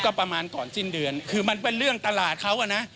ก็ประมาณก่อนสิ้นเดือนคือมันเป็นเรื่องตลาดเขาอ่ะนะ